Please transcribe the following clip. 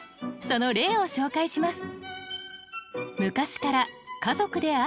その例を紹介します。